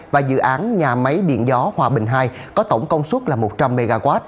và dự án nhà máy điện gió hòa bình ii có tổng công suất là một trăm linh mw